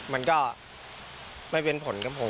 มันก็ไม่เป็นผลกับผม